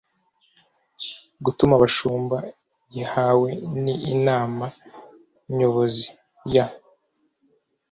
gutuma abashumba ihawe n inama nyobozi ya